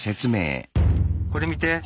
これ見て。